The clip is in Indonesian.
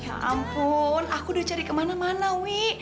ya ampun aku udah cari kemana mana wi